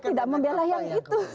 tidak membela yang itu